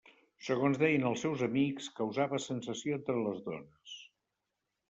Segons deien els seus amics, causava sensació entre les dones.